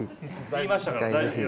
言いましたから大丈夫。